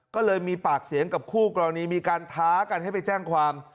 ก็เลยมีปากเสียงกับคู่กรณีมีการท้ากันให้ไปแจ้งความ